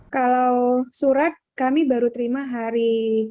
kalau surat kami baru terima hari